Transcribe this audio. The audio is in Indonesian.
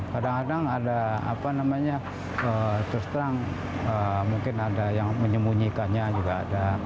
kadang kadang ada apa namanya terserang mungkin ada yang menyemunyikannya juga ada